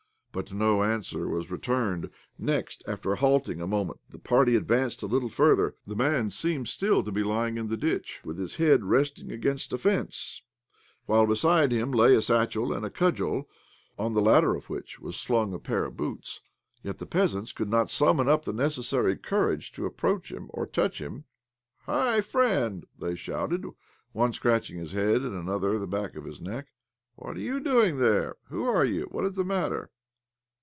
But no answer was returned. Next, after halting a moment, the party advanced a little further. The man seemed still to be lying in the ditch, with his head resting, against a fence, while beside him lay a satchel and a cudgel (on the latter of which was slung a pair of boots). Yet the peasants could not summon up the necessary courage to approach him or to touch him. " Hi, friend !" they shouted — one scratch ing his head and another the back of his neck. "What are you doing there? Who are you? What is the matter?"